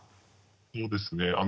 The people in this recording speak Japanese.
そうですね。